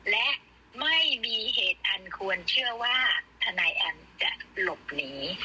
และไม่มีเหตุอันควรเชื่อว่าทนายแอมจะหลบหนี